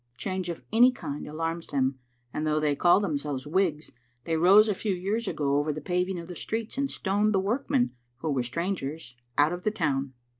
Change of any kind alarms them, and though they call themselves Whigs, they rose a few years ago over the paving of the streets and stoned the workmen, who were strangers, out of the town.